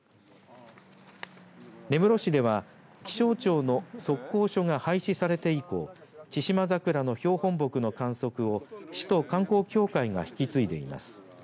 根室市では気象庁の測候所が廃止されて以降、チシマザクラの標本木の観測を市と観光協会が引き継いでいます。